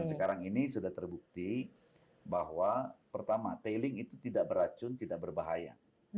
sekarang ini sudah terbukti bahwa pertama tailing itu tidak beracun tidak berbahaya